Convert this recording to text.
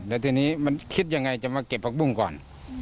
แล้วทีนี้มันคิดยังไงจะมาเก็บผักบุ้งก่อน